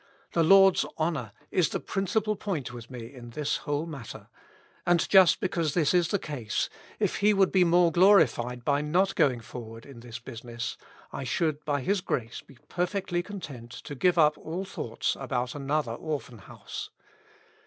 The Lord's honor is the principal point with me in this whole matter ; and just because this is the case, if He would be more glorified by not going for ward in this business, I should by His grace be perfectly con tent to give up all thoughts about another Orphan House.